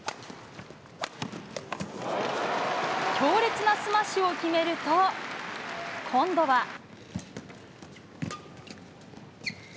強烈なスマッシュを決めると今度は。